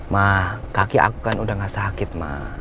ma kaki aku kan udah nggak sakit ma